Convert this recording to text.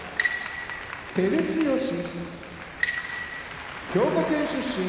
照強兵庫県出身